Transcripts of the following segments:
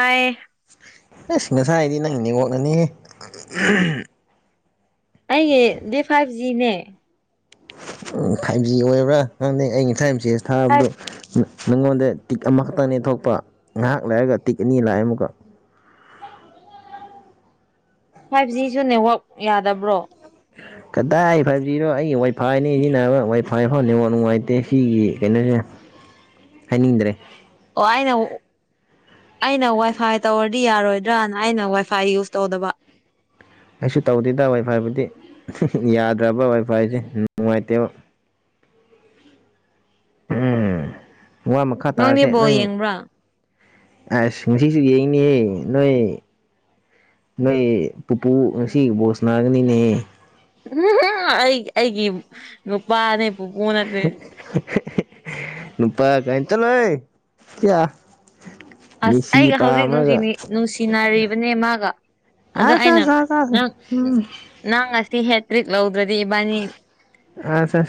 ꯥꯏ ꯑꯦꯁ ꯉꯁꯥꯏ ꯍꯥꯏꯗꯤ ꯅꯪꯅꯤ ꯑꯣꯣꯛꯅꯅꯤ ꯑꯩꯒꯤ ꯗꯦ ꯐꯥꯏꯚ ꯖꯤꯅꯦ ꯐꯥꯏꯚ ꯖꯤ ꯑꯣꯏꯕ꯭ꯔꯥ ꯅꯪꯗꯩ ꯑꯩ ꯉꯁꯥꯥꯏꯝ ꯆꯦꯁ ꯊꯥꯕꯗꯣ ꯐꯥꯏꯚ ꯅꯪꯉꯣꯟꯗ ꯇꯤꯛ ꯑꯃꯈꯛꯇꯪꯅꯦ ꯊꯣꯛꯄ ꯉꯥꯏꯍꯥꯛ ꯂꯥꯛꯑꯒ ꯇꯤꯛ ꯑꯅꯤ ꯂꯥꯛꯑꯦ ꯑꯃꯨꯛꯀ ꯐꯥꯏꯚ ꯖꯤꯁꯨ ꯅꯦꯠꯋꯥꯛ ꯌꯥꯗꯕ꯭ꯔꯣ ꯀꯗꯥꯏ ꯐꯥꯏꯚ ꯖꯤꯔꯣ ꯑꯩꯒꯤ ꯋꯥꯏꯐꯥꯏꯅꯤ ꯁꯤꯖꯤꯟꯅꯕ ꯋꯥꯏꯐꯥꯏ ꯐꯥꯎꯅꯤꯡꯉꯣ ꯅꯨꯡꯉꯥꯏꯇꯦ ꯁꯤꯒꯤ ꯀꯩꯅꯣꯁꯦ ꯍꯥꯏꯅꯤꯡꯗ꯭ꯔꯦ ꯄꯥꯏꯅ ꯑꯩꯅ ꯋꯥꯏꯐꯥꯏ ꯇꯧꯔꯗꯤ ꯌꯥꯔꯣꯏꯗ꯭ꯔꯅ ꯑꯩꯅ ꯋꯥꯏꯐꯥꯏ ꯌꯨꯁ ꯇꯧꯗꯕ ꯑꯩꯁꯨ ꯇꯧꯗꯦꯗ ꯋꯥꯏ ꯐꯥꯏꯕꯨꯗꯤ ꯌꯥꯗ꯭ꯔꯕ ꯋꯥꯏ ꯐꯥꯏꯁꯦ ꯅꯨꯡꯉꯥꯏꯇꯦꯕ [inaudible] ꯎꯝ ꯋꯥ ꯃꯈꯥ ꯅꯪꯗꯤ ꯇꯥꯔꯁꯦ ꯕꯣꯜ ꯅꯪ ꯌꯦꯡꯕ꯭ꯔꯥ ꯑ ꯉꯁꯤꯁꯨ ꯌꯦꯅꯤ ꯅꯣꯏ ꯅꯣꯏ ꯄꯨꯄꯨ ꯉꯁꯤ ꯕꯣꯁ ꯅꯥꯒꯅꯤꯅꯦ ꯄꯥꯅꯦꯦ ꯏ ꯄ ꯐꯅꯗꯤꯦ ꯅꯨꯄꯥ ꯀꯩꯅ ꯆ ꯅꯣꯏ ꯀ ꯑꯁ ꯑꯩꯒ ꯍꯧꯖꯤꯛ ꯅꯨꯡꯁꯤ ꯅꯨꯡꯁꯤꯅꯔꯤꯕꯅꯦ ꯃꯥꯒ ꯑꯗ ꯑꯁ ꯑꯩꯅ ꯑꯁ ꯑꯁ ꯑꯁ ꯅꯪ ꯎꯝ ꯅꯪ ꯉꯁꯤ ꯍꯦꯇ꯭ꯔꯤꯛ ꯂꯧ ꯑꯁ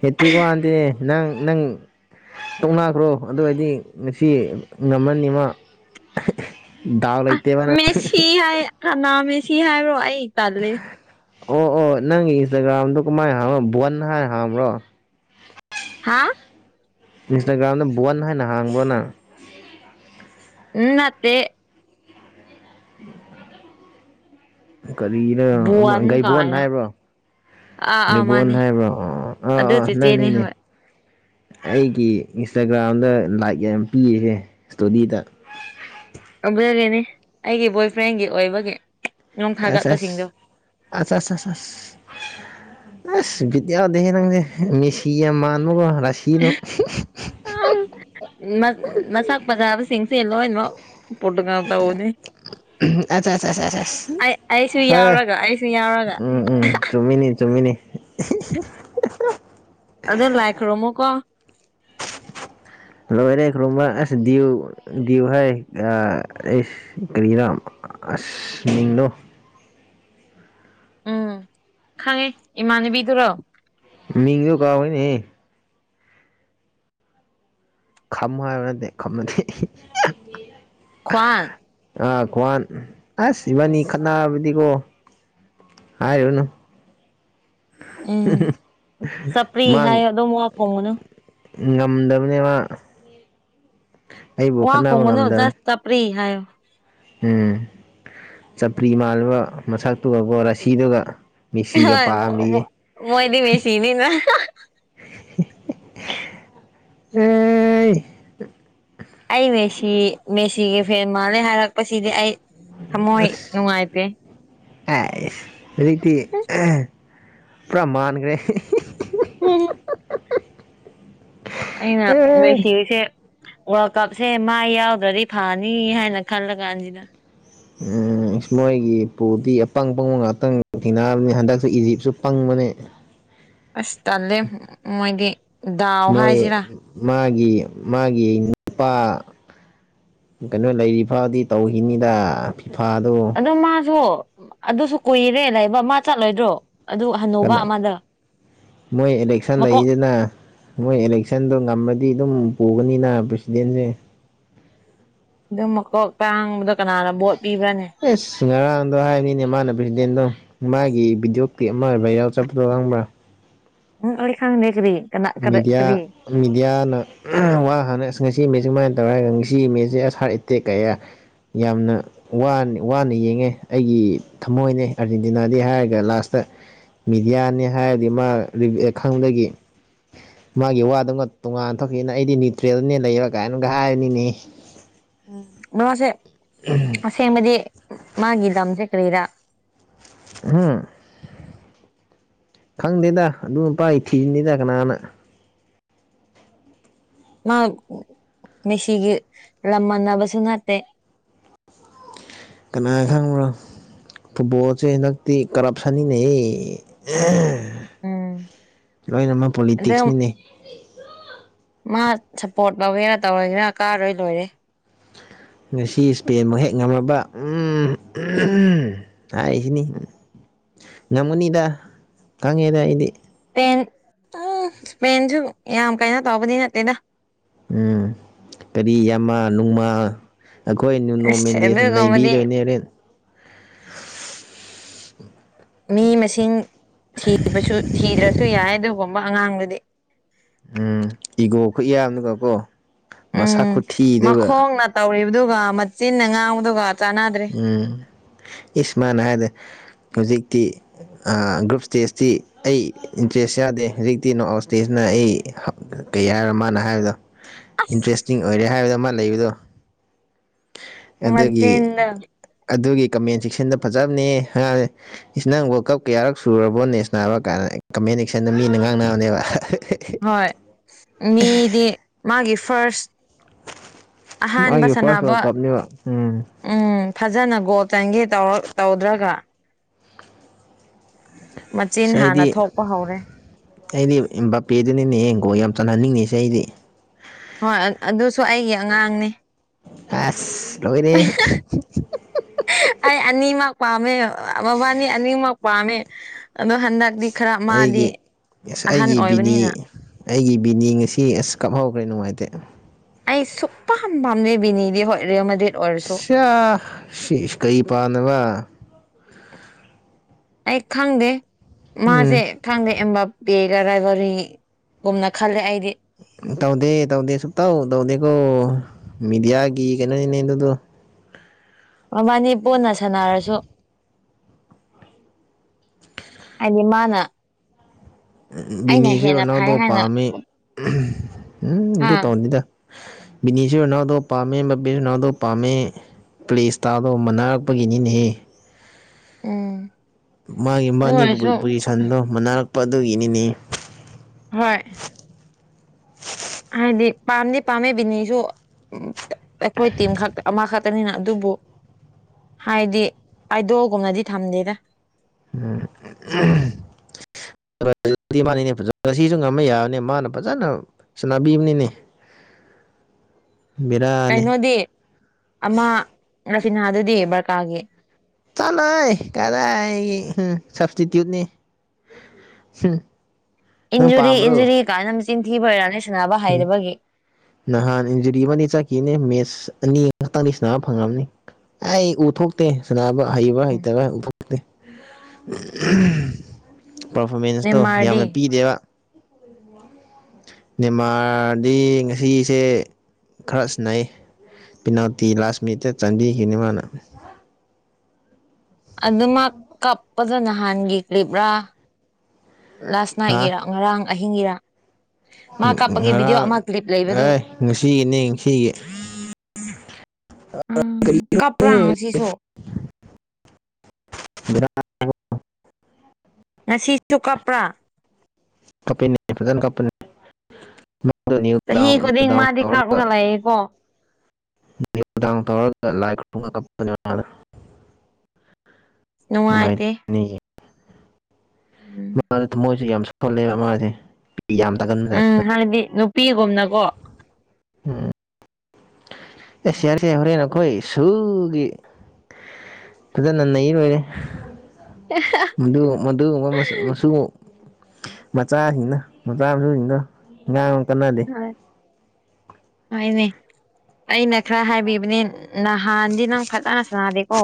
ꯍꯠꯇꯒ ꯋꯥꯗꯦ ꯅꯪ ꯅꯪ ꯇꯧꯅꯥꯈ꯭ꯔꯣ ꯑꯗꯨꯋꯥꯗꯤ ꯉꯁꯤ ꯉꯝꯃꯅꯤꯃ ꯗꯥꯎ ꯂꯩꯇꯦ ꯃꯥꯅ ꯀꯅꯥꯃꯦ ꯁꯤ ꯍꯥꯏꯕ꯭ꯔꯣ ꯑꯩ ꯇꯜꯂꯦ ꯑꯣ ꯑꯣ ꯅꯪꯒꯤ ꯏꯟꯁꯇꯥꯒ꯭ꯔꯥꯝꯗꯣ ꯀꯃꯥꯏꯅ ꯍꯥꯡꯕꯅꯣ ꯕꯟ ꯍꯥꯏꯔ ꯍꯥꯡꯕ꯭ꯔꯣ ꯍꯥꯥ ꯏꯟꯁꯇꯥꯒ꯭ꯔꯥꯝꯗ ꯕꯟ ꯍꯥꯏꯅ ꯍꯥꯡꯕ꯭ꯔꯣꯅ ꯎꯠꯇꯦ ꯀꯔꯤꯅꯣ ꯕꯨꯋꯥꯟ ꯒꯩꯕꯣꯟ ꯀꯥꯏꯅ ꯍꯥꯏꯕ꯭ꯔꯣ ꯑꯥ ꯑꯥ ꯕꯣꯟ ꯃꯥꯅꯦ ꯍꯥꯏꯕ꯭ꯔꯣ ꯑꯥ ꯑꯗꯨ ꯑꯥ ꯆꯦꯆꯦꯅꯤ ꯅꯪꯅꯤꯅꯦ ꯍꯣꯏ ꯑꯩꯒꯤ ꯏꯟꯁꯇꯥꯒ꯭ꯔꯥꯝꯗ ꯂꯥꯏꯛ ꯌꯥꯝ ꯄꯤꯔꯤꯁꯦ ꯏꯁꯇꯣꯗꯤꯗ [inaudible] ꯅꯤ ꯑꯩꯒꯤ ꯕꯣꯏ ꯐ꯭ꯔꯦꯟꯒꯤ ꯑꯣꯏꯕꯒꯤ ꯅꯣꯡ ꯑ ꯊꯥꯒꯠꯄꯁꯤꯡꯗꯣ ꯑꯠ ꯕꯤꯠ ꯌꯥꯗꯦꯦ ꯅꯪꯁꯦ ꯃꯦꯁꯤ ꯌꯥꯝ ꯃꯥꯟꯕꯥꯟꯕꯒꯣ ꯔꯁꯤꯗꯣ ꯃꯁꯥꯛ ꯄꯖꯥꯕꯁꯤꯡꯁꯦ ꯂꯣꯏꯅꯃꯛ ꯄ꯭ꯔꯣꯇꯣꯒ꯭ꯔꯥꯝ ꯇꯧꯧꯕꯅꯤ ꯑꯆꯥ ꯑꯩ ꯑꯩꯁꯨ ꯍ ꯌꯥꯎꯔꯒ ꯑꯩꯁꯨ ꯌꯥꯎꯔꯒ ꯎꯝ ꯎꯝ ꯆꯃꯤꯅꯤ ꯆꯨꯃꯤꯅꯤ ꯑꯗꯨꯗꯣ ꯂꯥꯏꯈ꯭ꯔꯣꯃꯣ ꯀꯣ [inaudible] ꯍꯜꯂꯣꯔꯦ ꯈꯨꯔꯨꯝꯕ ꯑꯁꯌꯎ ꯌꯨ ꯍꯥꯏ ꯀꯔꯤꯔꯝ ꯑꯁꯅꯤꯅꯣ ꯎꯝ ꯈꯪꯉꯦ ꯏꯃꯥꯟꯅꯕꯤꯗꯨꯔꯣ ꯃꯤꯡꯗꯣ ꯀꯥꯎꯋꯦꯅꯦ ꯈꯝ ꯍꯥꯏꯕ ꯅꯠꯇꯦ ꯈꯝꯃꯗꯤ ꯈ꯭ꯋꯥꯟ ꯑꯥ ꯈ꯭ꯋꯥꯟ ꯑꯁ ꯏꯕꯥꯅꯤ ꯈꯠꯅꯔꯕꯗꯤꯀꯣ ꯍꯥꯏꯔꯨꯅꯨ ꯎꯝ ꯆꯄ꯭ꯔꯤ ꯍꯥꯏꯌꯣ ꯑꯗꯨꯝ ꯋꯥ ꯐꯣꯡꯒꯅꯨ ꯉꯝꯗꯝꯅꯦ ꯃꯥ ꯑꯩꯕꯨ ꯋꯥ ꯈꯠꯅꯕ ꯈꯣꯝꯒꯅꯨ ꯉꯝꯗꯕꯅꯦ ꯖꯁ ꯆꯄ꯭ꯔꯤ ꯍꯥꯏꯌꯣ ꯎꯝ ꯆꯄ꯭ꯔꯤ ꯃꯥꯜꯂꯕ ꯃꯁꯛꯇꯨꯒꯀꯣ ꯔꯥꯁꯤꯗꯨꯒ ꯃꯦꯁꯤꯒ ꯍꯣꯏ ꯃꯣ ꯃꯣ ꯄꯥꯝꯂꯤꯌꯦ ꯃꯣꯏꯗꯤ ꯃꯦꯁꯤꯅꯤ ꯅ ꯑꯦ ꯑꯩ ꯃꯦꯁꯤ ꯃꯦꯁꯤꯒꯤ ꯐꯦꯟ ꯃꯥꯜꯂꯦ ꯍꯥꯏꯔꯛꯄꯁꯤꯗꯤ ꯑꯩ ꯊꯃꯣꯏ ꯅꯨꯡꯉꯥꯏ ꯄꯦ ꯑꯦ ꯍꯧꯔꯤꯛꯇꯤ ꯄꯨꯔꯥ ꯃꯥꯟꯒ꯭ꯔꯦ ꯎꯝ ꯑꯩꯅ ꯑꯦ ꯃꯦꯁꯤꯁꯦ ꯋꯥꯔꯜ ꯀꯞꯁꯦ ꯃꯥ ꯌꯥꯎꯗ꯭ꯔꯗꯤ ꯐꯅꯤ ꯍꯥꯏꯅ ꯈꯜꯂ ꯀꯥꯟꯁꯤꯗ ꯎꯝ ꯃꯣꯏꯒꯤ ꯄꯨꯗꯤ ꯑꯄꯪ ꯄꯪꯕ ꯉꯥꯛꯇꯪ ꯊꯦꯡꯅꯍꯟꯕꯅꯤ ꯍꯟꯗꯛꯁꯨ ꯏꯖꯤꯞꯁꯨ ꯄꯪꯕ ꯇ [unintelligible] ꯑꯁ ꯇꯜꯦ ꯃꯣꯏꯗꯤ ꯗꯥꯎ ꯃꯣꯏ ꯍꯥꯏꯁꯤꯔꯥ ꯃꯥꯒꯤ ꯃꯥꯒꯤ ꯅꯨꯄꯥ ꯀꯩꯅꯣ ꯂꯩꯔꯤ ꯐꯥꯎꯗꯤ ꯇꯧꯈꯤꯅꯤꯗꯥ ꯑꯗꯨ ꯃꯥꯁꯨ ꯑꯗꯨꯁꯨ ꯀꯨꯏꯔꯦ ꯂꯩꯕ ꯃꯥ ꯆꯠꯂꯣꯏꯗ꯭ꯔꯣ ꯑꯗꯨ ꯍꯟꯅꯨꯕ ꯀꯅ ꯑꯃꯗ ꯃꯣꯏ ꯏꯂꯦꯛꯁꯟ ꯃꯀꯣꯛ ꯂꯩꯁꯤꯅ ꯃꯣꯏ ꯏꯂꯦꯛꯁꯟꯗꯨ ꯉꯝꯃ ꯗꯤ ꯗꯨꯝ ꯄꯨꯒꯅꯤꯅ ꯄ꯭ꯔꯦꯁꯤꯗꯦꯟꯁꯦ ꯗꯨꯝ ꯃꯀꯣꯛ ꯇꯥꯡꯕꯗꯣ ꯀꯅꯥꯅ ꯕꯣꯠ ꯄꯤꯕ꯭ꯔꯥꯅꯦ ꯑꯦꯁ ꯉꯔꯥꯡꯗꯣ ꯍꯥꯏꯅꯤꯅꯦ ꯃꯥꯅ ꯕ꯭ꯔꯤꯗꯦꯟꯗꯣ ꯃꯥꯒꯤ ꯚꯤꯗ꯭ꯌꯣ ꯀ꯭ꯂꯤꯞ ꯑꯃꯥ ꯚꯥꯏꯔꯦꯜ ꯆꯠꯄꯗꯣ ꯈꯪꯕ꯭ꯔꯥ ꯎꯝ ꯑꯣꯏ ꯈꯪꯅꯤꯈꯔꯤ [unintelligible] ꯃꯤꯗ꯭ꯌꯥ ꯃꯤꯗ꯭ꯌꯥꯅ ꯋꯥ ꯍꯥꯅ ꯉꯁꯤ ꯃꯥꯏ ꯇꯧꯏꯒꯁꯤ ꯃꯤꯁꯦ ꯑꯁꯥꯔ ꯏꯇꯦꯛ ꯀꯌꯥ [inaudible] ꯌꯥꯝꯅ ꯋꯥꯟ ꯋꯥꯅ ꯌꯦꯡꯉꯦ ꯑꯩꯏ ꯊꯃꯣꯏꯅꯦ ꯑꯔꯖꯦꯟꯇꯤꯅꯥꯗꯤ ꯍꯥꯏꯔꯒ ꯂꯥꯁꯇ ꯃꯤꯗ꯭ꯌꯥꯅꯦ ꯍꯥꯏꯔꯗꯤ ꯃꯥ ꯈꯪꯗꯒꯤ ꯃꯥꯒꯤ ꯋꯥꯗꯨꯉ ꯇꯣꯉꯥꯟꯅ ꯇꯣꯛꯈꯤꯅ ꯑꯩꯗꯤ ꯅ꯭ꯌꯨꯇ꯭ꯔꯦꯜꯅꯦ ꯂꯩꯔ ꯀꯥꯏꯅꯒ ꯍꯥꯏꯅꯤꯅꯦ ꯎꯝ ꯃꯥꯁꯦ ꯑꯁꯦꯡꯕꯗꯤ ꯃꯥꯒꯤ ꯂꯝꯁꯦ ꯀꯔꯤꯔꯥ ꯍꯝ ꯈꯪꯗꯦꯗ ꯑꯗꯨ ꯅꯨꯄꯥꯏ ꯊꯤꯅꯤꯗ ꯀꯅꯥꯅ ꯃꯥ ꯃꯦꯁꯤꯒꯤ ꯂꯝꯃꯥꯟꯅꯕꯁꯨ ꯅꯠꯇꯦ [inaudible] ꯅꯥ ꯈꯪꯕ꯭ꯔꯣ ꯐꯨꯠꯕꯣꯜꯁꯦ ꯍꯟꯗꯛꯇꯤ ꯀꯔꯞꯁꯟꯅꯤꯅꯦꯍ ꯎꯝ ꯂꯣꯏꯅꯃꯛ ꯑꯗꯨꯝ ꯄꯣꯂꯤꯇꯤꯛꯁꯅꯤꯅꯦ ꯃꯥ ꯁꯞꯄꯣꯔꯠ ꯂꯧꯒꯦ [unintelligible] ꯅ ꯇꯧꯔꯒꯅ ꯀꯥꯔꯣꯏ ꯂꯣꯏꯔꯦ ꯉꯁꯤ ꯏꯁꯄꯦꯟ ꯃꯨꯛ ꯍꯦꯛ ꯉꯝꯃꯕ ꯍꯥꯏꯁꯤꯅꯤ ꯉꯝꯒꯅꯤꯗ ꯈꯪꯉꯦꯗ ꯑꯩꯗꯤ ꯏꯁꯄꯦꯟ ꯎꯝ ꯁ꫱ꯄꯦꯟꯁꯨ ꯌꯥꯝ ꯀꯩꯅꯣ ꯇꯧꯕꯗꯤ ꯅꯠꯇꯦꯗ ꯎꯝ ꯀꯔꯤ ꯌꯥꯝꯃ ꯅꯨꯡ ꯃꯥ ꯑꯈꯣꯏ ꯅꯨꯅꯣ ꯑꯁ ꯃꯦꯟꯗꯦꯅ ꯑꯗꯨꯒꯨꯝꯕꯗꯤ ꯅꯩꯕꯤꯗꯣꯏꯅꯦ ꯔꯦꯟ ꯃꯤ ꯃꯁꯤꯡ ꯊꯤꯕꯁꯨ ꯊꯤꯗ꯭ꯔꯁꯨ ꯌꯥꯏ ꯑꯗꯨꯒꯨꯝꯕ ꯑꯉꯥꯡꯗꯨꯗꯤ ꯎꯝ ꯏꯒꯣ ꯈꯨꯌꯥꯝꯅꯀ ꯀꯣ ꯎꯝ ꯃꯈꯣꯡꯅ ꯇꯧꯔꯤꯕꯗꯨꯒ ꯃꯆꯤꯟꯅ ꯉꯥꯡꯕꯗꯨꯒ ꯆꯥꯟꯅꯗ꯭ꯔꯦ ꯎꯝ ꯏꯁ ꯃꯥꯅ ꯍꯥꯏꯕꯗ ꯍꯨꯖꯤꯛꯇꯤ ꯒ꯭ꯔꯨꯞ ꯏꯁꯇꯦꯖꯇꯤ ꯑꯩ ꯏꯟꯇꯔꯦꯁ ꯌꯥꯗꯦ ꯍꯧꯖꯤꯛꯇꯤ ꯅꯣꯔꯠ ꯑꯥꯎꯠ ꯏꯁꯇꯦꯖꯅ ꯑꯩ ꯀꯩ ꯍꯥꯏꯔꯣ ꯃꯥꯅ ꯍꯥꯏꯕꯗꯣ ꯑꯁ ꯏꯟꯇꯔꯦꯁꯇꯤꯡ ꯑꯣꯏꯔꯦ ꯍꯥꯏꯕꯗ ꯃꯥ ꯂꯩꯕꯗꯣ ꯑꯗꯨꯒꯤ ꯃꯆꯤꯟꯗꯣ ꯑꯗꯨꯒꯤ ꯀꯃꯦꯟ ꯆꯦꯛꯁꯟꯗ ꯐꯖꯕꯅꯦ ꯍꯉꯥꯡꯦ ꯅꯪ ꯔꯜ ꯀꯞ ꯀꯌꯥꯔꯛ ꯁꯨꯔꯕꯣ ꯅꯦꯁꯅ ꯍꯥꯏꯕ ꯀꯥꯟꯗ ꯀꯅꯦꯛꯁꯟꯗꯣ ꯃꯤꯅ ꯉꯥꯡꯅꯕꯅꯦꯕ ꯍꯣꯏ ꯃꯤꯗꯤ ꯃꯥꯒꯤ ꯐꯥꯔꯁ ꯑꯍꯥꯟꯕ ꯃꯥꯒꯤ ꯐꯥꯔꯁ ꯁꯥꯟꯅꯕ ꯋꯥꯔꯜ ꯀꯞꯅꯦꯕ ꯎꯝ ꯎꯝ ꯐꯖꯅ ꯒꯣꯇꯟꯒꯤꯧꯔ ꯇꯧꯗ꯭ꯔꯒ ꯃꯆꯤꯟ ꯑꯁ ꯑꯩꯗꯤ ꯍꯥꯟꯅ ꯊꯣꯛꯄ ꯍꯧꯔꯦ ꯑꯩꯗꯤ ꯕꯥꯄꯦꯗꯨꯅꯤꯅꯦ ꯌꯦꯡ ꯀꯣ ꯌꯥꯝ ꯆꯥꯟꯅꯍꯟꯅꯤꯡꯉꯤꯁꯦ ꯑꯩꯗꯤ ꯍꯣꯏ ꯑꯗꯨꯁꯨ ꯑꯩꯒꯤ ꯑꯉꯥꯡꯅꯤ ꯑꯁ ꯂꯣꯅꯦ ꯑꯩ ꯑꯅꯤꯃꯛ ꯄꯥꯝꯃꯦ ꯃꯕꯥꯅꯤ ꯑꯅꯤꯃꯛ ꯄꯥꯝꯃꯦ ꯑꯗꯣ ꯍꯟꯗꯛꯇꯤ ꯈꯔ ꯃꯥꯗꯤ ꯑꯩꯒꯤ ꯑꯁ ꯑꯍꯟ ꯑꯩꯒꯤꯕꯤꯅꯤ ꯑꯣꯏꯕꯅꯤꯅ ꯑꯩꯒꯤ ꯏꯕꯤꯅꯤ ꯉꯁꯤ ꯑꯁ ꯀꯥꯞꯍꯧꯈ꯭ꯔꯦ ꯅꯨꯡꯉꯥꯏꯇꯦ ꯑꯩ ꯁꯨꯞꯄꯝ ꯄꯥꯝꯅꯦꯕꯤꯅꯤꯗꯤ ꯍꯣꯏꯠꯔ ꯁ ꯁꯤꯦꯁ ꯀꯩ ꯄꯥ ꯅꯅꯕ ꯑꯩ ꯈꯪꯗꯦ ꯃꯥꯁꯦ ꯎꯝ ꯈꯪꯗꯦ ꯑꯕꯥ ꯄꯒꯔꯥꯏ ꯋꯥꯔꯤꯔꯤꯒꯨꯝꯅ ꯈꯜꯂꯦ ꯑꯩꯗꯤ ꯇꯧꯗꯦ ꯇꯧꯗꯦ ꯁꯨꯛꯇꯧ ꯇꯧꯗꯦꯀꯣ ꯃꯦꯗꯤꯌꯥꯒꯤ ꯀꯩꯅꯣꯅꯤꯅꯦ ꯑꯗꯨꯗꯣ ꯃꯃꯅꯤ ꯄꯨꯣꯟꯅ ꯁꯥꯟꯅꯔꯁꯨ ꯑꯅꯤ ꯃꯥꯅ ꯑꯩꯅ ꯕꯤꯅꯤꯁꯨ ꯍꯦꯟꯅ ꯐꯩ ꯔꯅꯥꯎꯗꯣ ꯍꯥꯏꯅ ꯄꯥꯝꯃꯤ ꯎꯝ ꯍꯥ ꯑꯗꯨ ꯇꯧꯅꯤꯗ ꯕꯤꯅꯤꯁꯨ ꯅꯅꯥꯎꯗꯣ ꯄꯥꯝꯃꯦ ꯃꯕꯤꯁꯨ ꯅꯅꯥꯎꯗꯣ ꯄꯥꯝꯃꯦ ꯄ꯭ꯂꯦ ꯏꯁꯇꯥꯗꯣ ꯃꯥꯟꯅꯔꯛꯄꯒꯤꯅꯤꯅꯦꯍ ꯎꯝ ꯃꯥꯒꯤ ꯑꯗꯨ ꯃꯥꯕꯥꯅꯤ ꯑꯣꯏꯔꯁꯨ ꯄꯣꯖꯤꯁꯟꯗꯣ ꯃꯅꯥꯔꯛꯄ ꯑꯗꯨꯒꯤꯅꯤꯅꯦ ꯍꯣꯏ ꯍꯥꯏꯗꯤ ꯄꯥꯝꯅꯤ ꯄꯥꯝꯃꯦ ꯕꯤꯅꯤꯁꯨ ꯎ ꯑꯩꯈꯣꯏ ꯇꯤꯝ ꯈꯛꯇ ꯑꯃꯈꯛꯇꯅꯤꯅ ꯑꯗꯨꯕꯨ ꯍꯥꯏꯗꯤ ꯑꯥꯏꯗꯣꯒꯨꯝꯅꯗꯤ ꯊꯝꯗꯦꯗ ꯎꯝ ꯁꯤꯁꯨ ꯉꯝꯃ ꯌꯥꯔꯅꯤ ꯃꯥꯅ ꯐꯖꯅ ꯁꯥꯟꯅꯕꯤꯕꯅꯤꯅꯦ [unintelligible] ꯀꯩꯅꯣꯗꯤ ꯑꯃ ꯔꯐꯤꯅꯥꯗꯨꯗꯤ ꯕꯔꯀꯥꯒꯤ ꯆꯂꯏ ꯀꯗꯑ ꯎꯝ ꯁꯕꯁꯇꯤꯇ꯭ꯌꯨꯠꯅꯤ ꯁꯤ ꯏꯟꯖꯨꯔꯤ ꯏꯟꯖꯔꯤ ꯀꯥꯏꯅ ꯆꯤꯟ ꯊꯤꯕꯔꯦ ꯎꯝ ꯅꯍꯥꯟ ꯏꯟꯖꯔꯤꯃꯅꯤ ꯆꯀꯤꯅꯦ ꯃꯦꯁ ꯑꯅꯤꯈꯛꯇꯪꯗꯤ ꯁꯕ ꯐꯪꯉꯕꯅꯤ ꯑꯩ ꯎꯊꯣꯛꯇꯦ ꯁꯅꯕ ꯍꯩꯕ ꯎꯝ ꯍꯩꯇꯕ ꯄꯔꯐꯣꯔꯃꯦꯟꯁꯇꯣ ꯅꯦꯃꯥꯔꯗꯤ ꯌꯥꯝꯅ ꯄꯤꯗꯦꯕ ꯃꯦꯟꯃꯥꯔꯗꯤ ꯉꯁꯤꯁꯦ ꯈꯔ ꯁꯤꯟꯅꯩ ꯄꯤꯅꯥꯎꯇꯤ ꯂꯥꯁ ꯃꯤꯅꯤꯠꯇ ꯆꯥꯟꯕꯤꯈꯤꯅꯤ ꯃꯥꯅ ꯑꯗꯨꯃꯛ ꯀꯥꯞꯄꯗ ꯅꯍꯥꯟꯒꯤ ꯀ꯭ꯂꯤꯞꯔꯥ ꯂꯥꯁ ꯅꯥꯏꯒꯤꯔ ꯍꯥ ꯉꯔꯥꯡ ꯑꯍꯤꯡꯒꯤꯔ ꯃꯥ ꯀꯥꯞꯄꯒꯤ ꯚꯤꯗꯤꯑꯣ ꯉꯔꯥꯡ ꯑꯃ ꯀ꯭ꯂꯤꯞ ꯂꯩꯕꯗꯣ ꯑꯦ ꯉꯁꯤꯒꯤꯅꯦ ꯉꯁꯤꯒꯤ ꯎꯝ ꯀꯞꯄ꯭ꯔꯥ ꯎꯝ ꯉꯁꯤꯁꯨ [unintelligible] ꯑꯣ ꯉꯁꯤꯁꯨ ꯀꯄ꯭ꯔꯥ ꯀꯄꯤꯅꯤ꯭ꯔꯙ ꯀꯄ ꯆꯍꯤ ꯈꯨꯗꯤꯡ ꯃꯥꯗꯤ ꯀꯥꯞꯔꯒ ꯗꯥꯗꯥꯗ ꯂꯩꯌꯦꯀꯣ ꯈꯨꯗꯥꯡ ꯇꯧꯔꯒ ꯂꯥꯏ ꯈꯨꯔꯨꯝꯉ ꯀꯞꯄꯅꯤ ꯅꯨꯅꯨꯡꯉ ꯑꯇ ꯃꯥ ꯊ ꯃꯣꯏꯁꯨꯦ ꯌꯥꯝ ꯁꯣꯜꯂꯦꯕ ꯃꯥꯁꯦ ꯑꯩ ꯌꯥꯝꯝ ꯇ ꯀꯅ ꯎꯝ ꯆꯅ ꯍꯥꯏꯗꯤ ꯅꯨꯄꯤꯒꯨꯝꯅꯀꯣ ꯎꯝ ꯑꯦ ꯁꯔ ꯁ ꯍꯔꯦ ꯅꯈꯣꯏ ꯁꯨꯒ ꯏꯗꯅ ꯅꯩꯅ ꯂꯣꯏꯔꯦ ꯃꯗꯨ ꯃꯗꯨ ꯃ ꯃꯆꯁꯨ ꯃꯆꯥꯁꯤꯡꯅ ꯃꯆꯥ ꯃꯁꯨꯁꯤꯡꯅ ꯉꯥꯡꯅ ꯀꯅꯜꯂꯤ ꯍꯥꯏꯅꯦ ꯑꯩꯅ ꯈꯔ ꯍꯥꯏꯕꯤꯕꯅꯤ ꯅꯍꯥꯟꯗꯤ ꯅꯪ ꯐꯖꯅ ꯁꯥꯅꯥꯗꯦꯀꯣ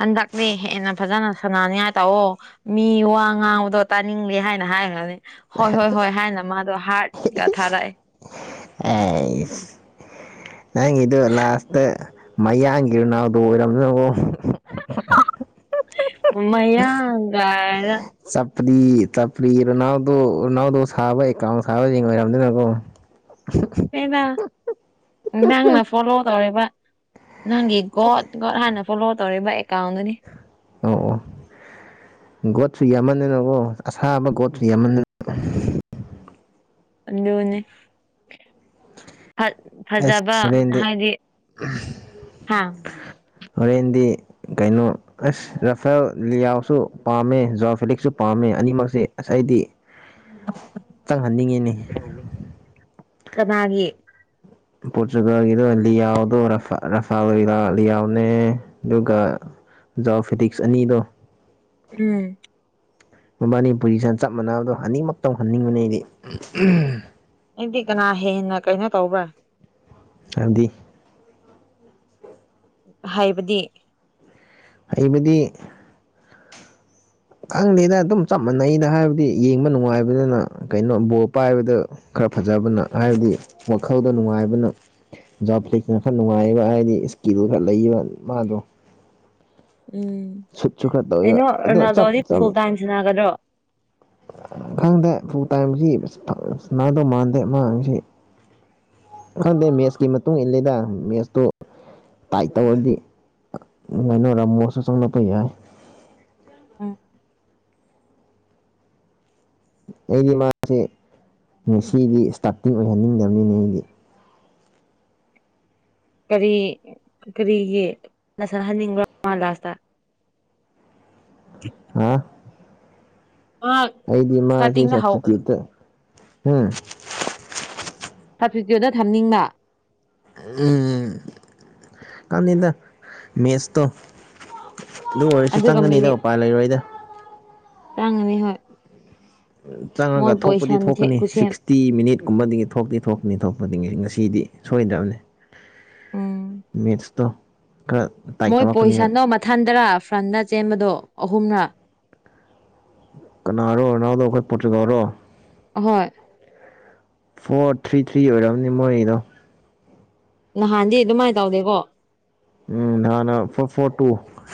ꯍꯟꯗꯛꯅꯦ ꯍꯦꯟꯅ ꯐꯖꯅ ꯁꯥꯟꯅꯅꯤꯡꯉꯥꯏ ꯇꯥꯛꯑꯣ ꯃꯤ ꯋꯥ ꯉꯥꯡꯕꯗꯣ ꯇꯥꯅꯤꯡꯗꯦ ꯍꯥꯏꯅ ꯍꯥꯏꯈ꯭ꯔꯅꯤ ꯍꯣꯏ ꯍꯣꯏ ꯍꯣꯏ ꯍꯥꯏꯅ ꯃꯥꯗꯣ ꯍꯥꯔꯠꯒ ꯊꯥꯔꯛꯑꯦ ꯑꯦ ꯅꯪ ꯏꯗꯨ ꯂꯥꯁꯇ ꯃꯌꯥꯡꯒꯤꯔ ꯅꯥꯎꯗꯣ ꯑꯣꯏꯔꯝꯅꯤꯅꯣ ꯎ ꯃꯌꯥꯒ ꯇꯄ꯭ꯔꯤ ꯇꯄ꯭ꯅꯥꯎꯗꯣꯅꯥꯎꯗꯣ ꯁꯥꯕ ꯑꯦꯀꯥꯎ ꯁꯥꯕ ꯌꯦꯡ ꯑꯣꯏꯔꯝꯗꯣꯏꯅꯀꯣ ꯗ ꯅ ꯅꯪꯅ ꯐꯣꯂꯣ ꯇꯧꯔꯤꯕ ꯅꯪꯒꯤ ꯒꯣꯗ ꯒꯣꯗ ꯍꯥꯟꯅ ꯐꯣꯂꯣ ꯇꯧꯔꯤꯕ ꯑꯦꯀꯥꯎꯟꯗꯨꯅꯤ ꯑꯣ ꯒꯣꯠꯁꯨ ꯌꯥꯝꯃꯟꯗꯅꯕꯀ ꯑꯁꯥꯕ ꯒꯣꯠꯁꯨ ꯌꯥꯝꯃꯟꯗꯅꯕ ꯑꯦꯗꯅꯤꯅꯤ ꯑꯦꯁ ꯐꯖꯕ ꯍꯣꯔꯦꯟꯗꯤ ꯍꯥꯏꯗꯤ ꯍꯥ ꯍꯣꯔꯦꯟꯗꯤ ꯀꯩꯅꯣ ꯑꯁ ꯔꯐꯦꯜ ꯂꯤꯌꯥꯎꯁꯨ ꯄꯥꯝꯃꯦ ꯖꯣꯔ ꯐꯤꯂꯤꯛꯁꯁꯨ ꯄꯥꯝꯃꯦ ꯑꯅꯤꯃꯛꯁꯦ ꯑꯁꯥꯏꯗꯤ ꯆꯪꯍꯟꯅꯤꯡꯉꯤꯅꯦ ꯀꯅꯥꯒꯤ ꯄꯣꯣꯔꯆꯨꯒꯜꯣ ꯑ ꯌꯥꯎꯗꯣ ꯔꯐ ꯔꯐꯥꯜ ꯂꯤꯌꯥꯎꯅꯦ ꯑꯗꯨꯒ ꯖꯥꯎ ꯐꯤꯇꯛꯁ ꯑꯅꯤꯗꯣ ꯎꯝ ꯃꯕꯥꯅꯤ ꯄꯨꯖꯤꯁꯟ ꯆꯞ ꯃꯥꯟꯅꯕꯗꯣ ꯍꯅꯤꯃ ꯇꯧꯍꯟꯅꯤꯡꯕꯅꯤ ꯑꯩꯗꯤ ꯑꯩꯗꯤ ꯀꯅꯥ ꯍꯦꯟꯅ ꯀꯩꯅꯣ ꯇꯧꯕ꯭ꯔꯥ ꯍꯥꯏꯗꯤ ꯍꯥꯏꯕꯗꯤ ꯑꯩꯃꯤꯗꯤ ꯈꯪꯗꯦꯗ ꯑꯗꯨꯝ ꯆꯞ ꯃꯥꯟꯅꯩꯩꯅ ꯍꯥꯏꯕꯗꯤ ꯌꯦꯡꯕ ꯅꯨꯡꯉꯥꯏꯕꯅꯤꯅ ꯀꯩꯅꯣ ꯕꯣꯔ ꯄꯥꯏꯕꯗ ꯈꯔ ꯐꯖꯕꯅ ꯍꯥꯏꯕꯗꯤ ꯋꯥꯈꯜꯗ ꯅꯨꯡꯉꯥꯏꯕꯅ ꯖꯣꯕ ꯐꯂꯤꯛꯁꯅ ꯈꯔ ꯅꯨꯡꯉꯥꯏꯕ ꯍꯥꯏꯕꯗꯤ ꯀꯤꯂꯣ ꯈ ꯂꯩꯕ ꯃꯥꯗꯣ ꯎꯝ ꯁꯨꯠꯁꯨ ꯈꯔ ꯇꯧꯋꯦꯕ ꯀꯩꯅꯣ ꯑꯗꯣ ꯆꯞ ꯔꯣꯅꯥꯜꯗꯣꯗꯤ ꯆꯞ ꯐꯨꯜ ꯇꯥꯏꯝ ꯁꯅꯥꯒꯗ꯭ꯔꯣ ꯈꯪꯗꯦ ꯐꯨ ꯇꯥꯏꯕꯁꯤ ꯅꯥꯗꯧ ꯃꯥꯟꯗꯦ ꯃꯥꯁꯤ ꯈꯪꯗꯦ ꯃꯦꯠꯁꯀꯤ ꯃꯇꯨꯡ ꯏꯜꯂꯗ ꯃꯦꯠꯁꯇꯨ ꯇꯥꯏꯠ ꯇꯧꯔꯗꯤ ꯃꯅꯔ ꯃꯣꯁꯨ ꯆꯅ ꯄꯩ ꯌꯥ ꯎꯝ ꯑꯩꯗꯤ ꯃꯥꯁꯦ ꯉꯁꯤꯗꯤ ꯏꯁꯇꯥꯔꯇꯤꯡ ꯑꯣꯏꯍꯟꯅꯤꯡꯗꯕꯅꯤꯅꯦ ꯑꯩꯗꯤ ꯀꯔꯤ ꯀꯔꯤꯒꯤ ꯁꯍꯟꯅꯤꯡꯕ꯭ꯔꯣꯂꯥꯁꯇ ꯍꯥ ꯃꯥ ꯑꯩꯗꯤ ꯃꯥꯁꯦ ꯏꯁꯇꯥꯔꯇꯤꯡꯗ ꯍꯧ ꯁꯞꯁꯤꯗꯤꯠꯇ ꯎꯝ ꯇ꯭ꯔꯐꯤꯀꯤꯅ ꯊꯝꯅꯤꯡꯃ ꯎꯝ ꯀꯥꯟ ꯌꯦꯗ ꯃꯦꯁꯇꯣ ꯑꯗꯨ ꯑꯣꯏꯔꯁꯨ ꯑꯗꯨꯒ ꯆꯪꯒꯅꯤꯗ ꯎꯄꯥꯏ ꯂꯩꯔꯣꯏꯗ ꯇꯪꯅꯤ ꯍꯣꯏ ꯆꯪꯉꯒ ꯃꯣꯏ ꯊꯣꯛꯄꯗꯤ ꯄꯣꯏꯁꯟꯁꯦ ꯊꯣꯛꯀꯅꯤ ꯈꯨꯠꯁꯦꯝ ꯁꯤꯛꯁꯇꯤ ꯃꯤꯅꯤꯠꯀꯨꯝꯕꯗꯒꯤ ꯊꯣꯛꯇꯤ ꯊꯣꯛꯀꯅꯤ ꯊꯣꯛꯄꯗꯤ ꯉꯁꯤ ꯉꯁꯤ ꯐꯤꯗꯤ ꯁꯣꯏꯗꯕꯅꯦ ꯃꯦꯠꯁꯇꯣ ꯈꯔ ꯇꯥꯏꯠ ꯃꯣꯏ ꯇꯧꯔꯛꯀꯅꯤꯕ ꯄꯣꯖꯤꯁꯟꯗꯣ ꯃꯊꯟꯗꯔꯥ ꯐ꯭ꯔꯟꯗ ꯆꯦꯟꯕꯗꯣ ꯑꯍꯨꯝꯔꯥ ꯀꯅꯥꯔꯣ ꯅꯅꯥꯎꯗꯣ ꯑꯩꯈꯣꯏ ꯄꯣꯇ꯭ꯔꯤꯒꯥꯎꯔꯣ ꯍꯣꯏ ꯐꯣꯔ ꯊ꯭ꯔꯤ ꯊ꯭ꯔꯤ ꯑꯣꯏꯝꯅꯤ ꯃꯣꯔꯗꯣ ꯅꯍꯥꯟꯗꯤ ꯑꯗꯨꯃꯥꯏꯅ ꯇꯧꯗꯦꯀꯣ ꯎꯝ ꯅꯥꯟ ꯐꯣꯔ ꯇꯨ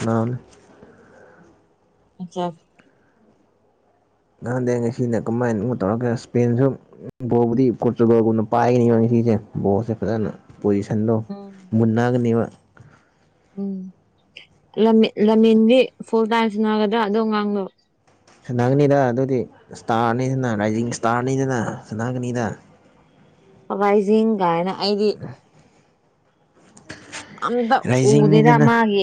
ꯅ ꯑꯆꯥ ꯉꯍꯥꯟꯗꯩ ꯉꯁꯤꯅ ꯀꯃꯥꯏꯅ ꯇꯧꯔꯒ ꯏꯁꯄꯦꯟꯁꯨ ꯕꯨꯗꯤ ꯄꯣꯔꯇꯨꯒꯜꯒꯨꯝꯅ ꯄꯥꯏꯒꯅꯤ ꯐꯤꯁꯦ ꯕꯣꯠꯁꯦ ꯐꯖꯅ ꯄꯣꯖꯤꯁꯟꯗꯣ ꯎꯝ ꯃꯨꯟꯅꯒꯅꯦꯕ ꯎꯝ ꯂꯝꯃꯤꯦꯟꯒꯤ ꯐꯨꯜ ꯇꯥꯏꯝ ꯁꯤꯟꯅꯒꯗ꯭ꯔꯥ ꯑꯗꯣ ꯉꯥꯡꯗꯣ ꯁꯟꯅꯥꯒꯅꯤꯗ ꯑꯗꯨꯗꯤ ꯏꯁꯇꯥꯔꯅꯤꯗꯅ ꯔꯥꯏꯖꯤꯡ ꯏꯁꯇꯥꯔꯅꯤꯗꯅ ꯁꯟꯅꯥꯒꯅꯤꯗ ꯍꯋꯥꯏꯁꯤꯡ ꯀꯥꯏꯅ ꯑꯩꯗꯤ ꯑꯗ ꯎꯗꯗ ꯔꯥꯏꯖꯤꯡꯅꯤꯗꯅ ꯃꯥꯒꯦ